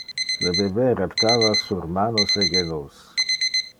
Le bebe reptava sur manos e genus.